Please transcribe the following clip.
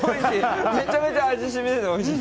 めちゃめちゃ味染みてておいしい。